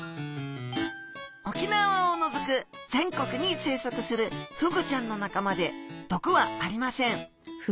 沖縄を除く全国に生息するフグちゃんの仲間で毒はありません。